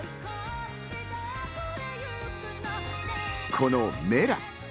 この『Ｍｅｌａ！』。